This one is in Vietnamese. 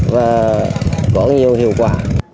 và có nhiều hiệu quả